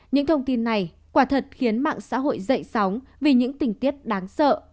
những thông tin này quả thật khiến mạng xã hội dậy sóng vì những tình tiết đáng sợ